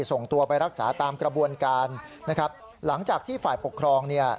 ส่งตัวไปรักษาตามกระบวนการนะครับหลังจากที่ฝ่ายปกครองเนี่ย